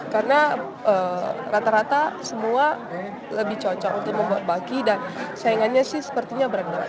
karena rata rata semua lebih cocok untuk membuat baki dan sayangannya sih sepertinya berendah